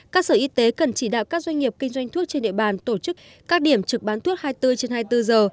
các sở y tế cần chỉ đạo các doanh nghiệp kinh doanh thuốc trên địa bàn tổ chức các điểm trực bán thuốc hai mươi bốn trên hai mươi bốn giờ